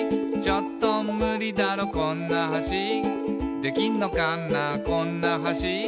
「ちょっとムリだろこんな橋」「できんのかなこんな橋」